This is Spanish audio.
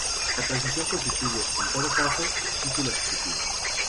La transacción constituye, en todo caso, título ejecutivo.